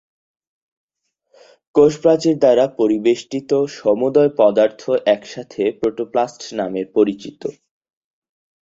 এই স্পিকারের বাণিজ্যিক বিপণনের জন্য অমর গোপাল বসু নিজের একটি সংস্থা খোলেন ‘বোস কর্পোরেশন’ নামে।